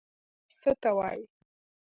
هدف څه ته وایي؟